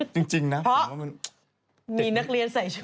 เพราะมีนักเรียนใส่ชุด